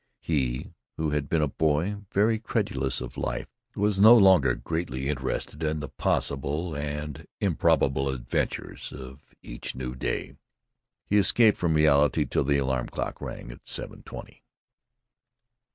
He who had been a boy very credulous of life was no longer greatly interested in the possible and improbable adventures of each new day. He escaped from reality till the alarm clock rang, at seven twenty.